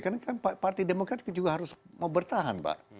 karena kan partai demokrat juga harus mau bertahan pak